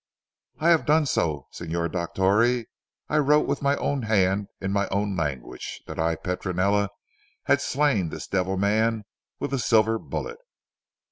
"I have done so Signor Dottore. I wrote with my own hand in my own language, that I Petronella had slain this devil man with a silver bullet."